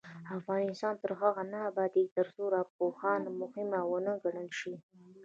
افغانستان تر هغو نه ابادیږي، ترڅو ارواپوهنه مهمه ونه ګڼل شي.